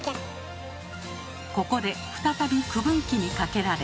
ここで再び区分機にかけられ。